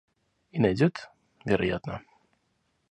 И найдет, вероятно.